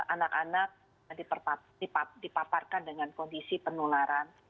anak anak dipaparkan dengan kondisi penularan